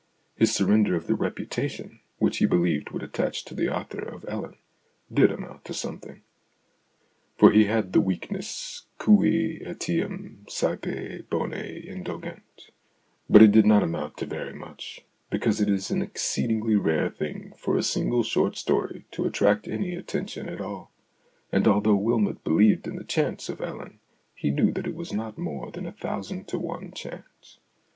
His surrender of the reputation which he believed would attach to the author of " Ellen " did amount THE AUTOBIOGRAPHY OF AN IDEA 57 to something, for he had the weakness cut etiam saepe boni indulgent ; but it did not amount to very much, because it is an exceedingly rare thing for a single short story to attract any attention at all, and although Wylmot believed in the chance of " Ellen," he knew that it was not more than a thousand to one chance.